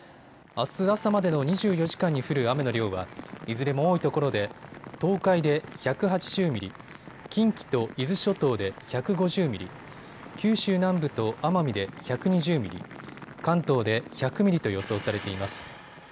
あす朝までの２４時間に降る雨の量はいずれも多いところで東海で１８０ミリ、近畿と伊豆諸島で１５０ミリ、九州南部と奄美で１２０ミリ、関東で１００ミリと予想されています。